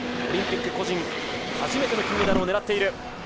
オリンピック個人、初めての金メダルを狙っている。